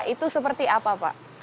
itu seperti apa pak